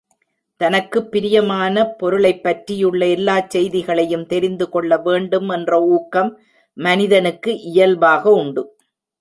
தனக்குப் பிரியமான பொருளைப் பற்றியுள்ள எல்லாச் செய்திகளையும் தெரிந்து கொள்ள வேண்டும் என்ற ஊக்கம் மனிதனுக்கு இயல்பாக உண்டு.